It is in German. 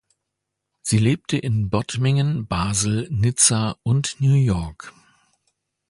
Sie lebte in Bottmingen, Basel, Nizza und New York.